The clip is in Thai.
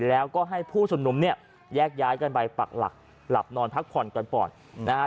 แล้วก็ให้ผู้ชุมนุมเนี่ยแยกย้ายกันไปปักหลักหลับนอนพักผ่อนกันก่อนนะฮะ